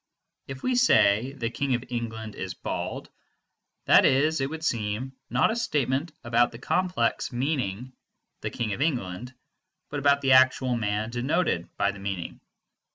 If we say "the King of England is bald," that is, it would seem, not a statement about the complex meaning "the King of England," but about the actual man denoted by the meaning.